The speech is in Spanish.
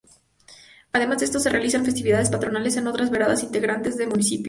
Además de estos se realizan festividades patronales en otras veredas integrantes del municipio.